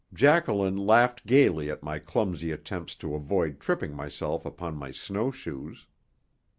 Jacqueline laughed gaily at my clumsy attempts to avoid tripping myself upon my snow shoes.